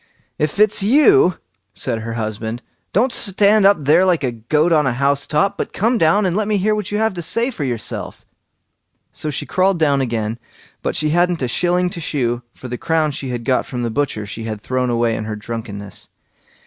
"If it's you", said her husband, "don't stand up there like a goat on a house top, but come down and let me hear what you have to say for yourself." So she crawled down again, but she hadn't a shilling to shew, for the crown she had got from the butcher she had thrown away in her drunkenness.